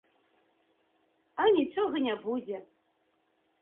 А нічога не будзе!